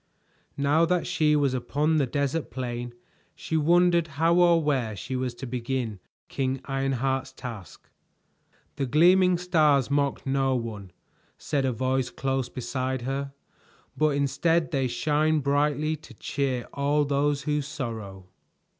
Now that she was upon the desert plain she wondered how or where she was to begin King Ironheart's task. "The gleaming stars mock no one," said a voice close beside her, "but instead they shine brightly to cheer all those who sorrow."